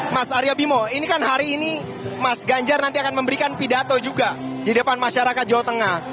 mas aryo bimo ini kan hari ini mas ganjar nanti akan memberikan pidato juga di depan masyarakat jawa tengah